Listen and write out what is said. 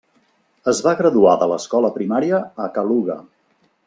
Es va graduar de l'escola primària a Kaluga.